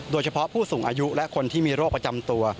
โดยเฉพาะผู้สูงอายุและคนที่มีโรคประจำตัว